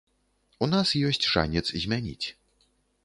У нас ёсць шанец змяніць.